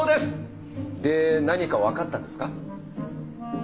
で何かわかったんですか？